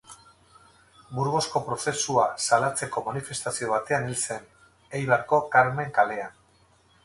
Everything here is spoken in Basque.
Burgosko Prozesua salatzeko manifestazio batean hil zen, Eibarko Karmen kalean.